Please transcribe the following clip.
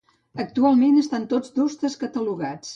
Actualment estan tots descatalogats.